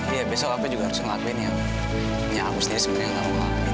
iya besok aku juga harus ngelakuin yang aku sendiri sebenernya gak mau ngelakuin